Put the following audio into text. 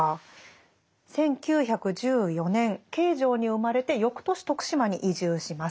１９１４年京城に生まれて翌年徳島に移住します。